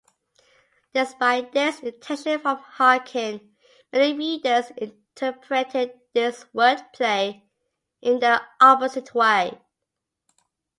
Despite this intention from Hawken, many readers interpreted this wordplay in the opposite way.